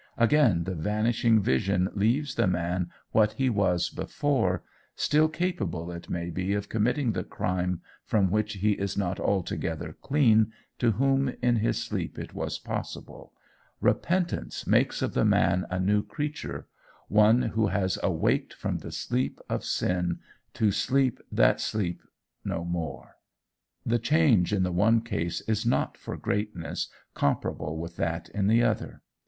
Again, the vanishing vision leaves the man what he was before, still capable it may be of committing the crime from which he is not altogether clean to whom in his sleep it was possible: repentance makes of the man a new creature, one who has awaked from the sleep of sin to sleep that sleep no more. The change in the one case is not for greatness comparable with that in the other.